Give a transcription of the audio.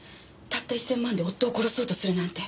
たった１０００万で夫を殺そうとするなんて。